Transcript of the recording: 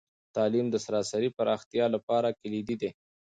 تعلیم د سراسري پراختیا لپاره کلیدي دی.